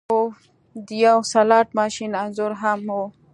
او د یو سلاټ ماشین انځور هم و